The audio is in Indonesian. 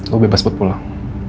lo bebas buat pulang